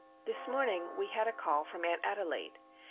This morning we had a call from Aunt Adelaide.